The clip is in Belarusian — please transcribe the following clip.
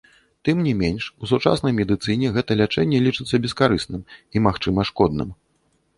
Тым не менш, у сучаснай медыцыне гэта лячэнне лічыцца бескарысным і, магчыма, шкодным.